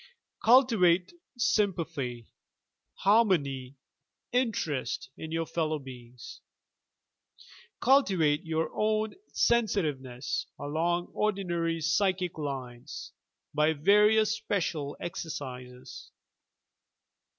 3. Cultivate sympathy, harmony, interest in your fel low beings. 4. Cultivate your own sensitiveness along ordinary psychic lines, by various special exercises.